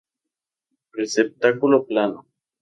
Receptáculo plano.